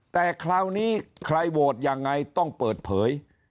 แต่คราวนี้ใครโหวตยังไงต้องเปิดเผย